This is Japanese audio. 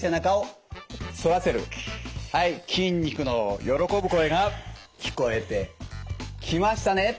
はい筋肉の喜ぶ声が聞こえてきましたね。